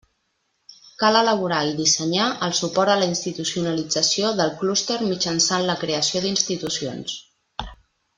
Cal elaborar i dissenyar el suport a la institucionalització del clúster mitjançant la creació d'institucions.